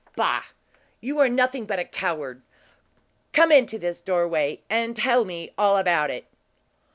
"Bah! You are nothing but a coward. Come into this doorway, and tell me all about it."